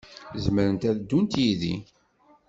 Zemrent ad ddun yid-i.